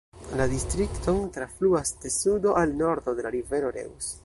La distrikton trafluas de sudo al nordo la rivero Reuss.